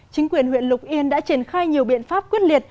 chính quyền huyện lục yên đã triển khai nhiều biện pháp quyết liệt